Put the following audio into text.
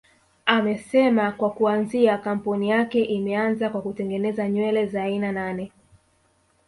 Amesema kwa kuanzia kampuni yake imeanza kwa kutengeneza nywele za aina nane